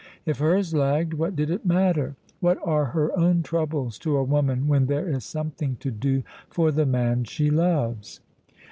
If hers lagged, what did it matter? What are her own troubles to a woman when there is something to do for the man she loves?